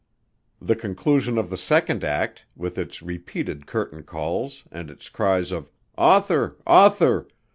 The conclusion of the second act, with its repeated curtain calls and its cries of "Author, Author!"